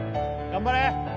頑張れ！